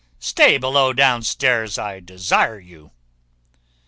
Stay below stairs, I desire you."